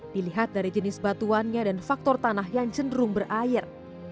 dilihat dari jenis batuannya dan faktor tanah yang cenderung berair